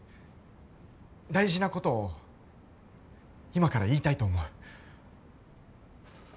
大事なことを今から言いたいと思う。